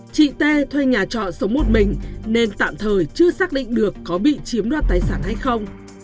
chị t thuê nhà trọ sống một mình nên tạm thời chưa xác định được có bị chiếm đoạt tài sản hay không